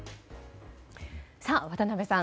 渡辺さん